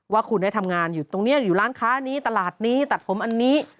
ว่าคุณได้ทำงานอยู่ตรงนี้อยู่ร้านค้านี้ตลาดนี้ตัดผมอันนี้